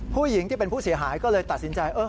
ผู้หญิงที่เป็นผู้เสียหายก็เลยตัดสินใจ